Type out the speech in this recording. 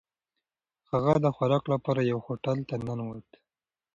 هغه د خوراک لپاره یوه هوټل ته ننووت.